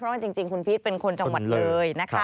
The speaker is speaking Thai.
เพราะว่าจริงคุณพีทเป็นคนจังหวัดเลย